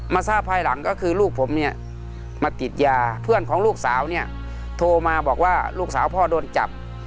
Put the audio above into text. ทราบภายหลังก็คือลูกผมเนี่ยมาติดยาเพื่อนของลูกสาวเนี่ยโทรมาบอกว่าลูกสาวพ่อโดนจับ